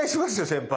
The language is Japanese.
先輩。